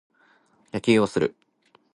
野球をする。